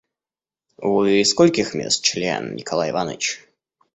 Вы скольких мест член, Николай Иваныч?